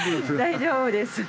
大丈夫です。